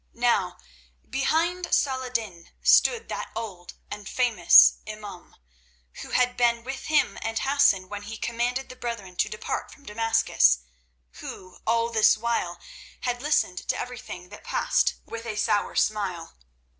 Now behind Saladin stood that old and famous imaum who had been with him and Hassan when he commanded the brethren to depart from Damascus, who all this while had listened to everything that passed with a sour smile.